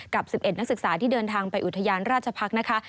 กับ๑๑นักศึกษาที่เดินทางไปอุทยานราชพักษ์นะคะ